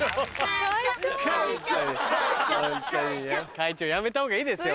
会長やめた方がいいですよ。